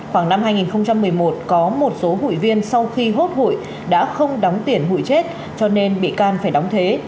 khoảng năm hai nghìn một mươi một có một số hụi viên sau khi hốt hụi đã không đóng tiền hụi chết cho nên bị can phải đóng thế